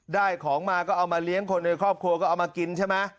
ได้ของมาก็เอามาเลี้ยงคนในครอบครัวก็เอามากินใช่ไหม